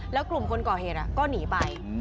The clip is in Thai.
แล้วกลุ่มคนก่อเหตุก็หนีไป